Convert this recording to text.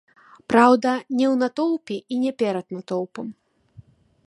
Праўда, не ў натоўпе і не перад натоўпам.